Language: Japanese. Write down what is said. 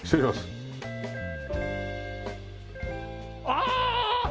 ああ！